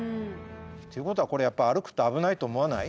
ていうことはこれやっぱ歩くと危ないと思わない？